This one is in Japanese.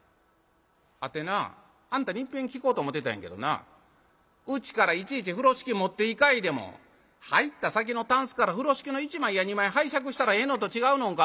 「あてなぁあんたにいっぺん聞こうと思てたんやけどなうちからいちいち風呂敷持っていかいでも入った先のたんすから風呂敷の一枚や二枚拝借したらええのと違うのんか？」。